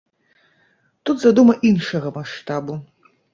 Тут задума іншага маштабу.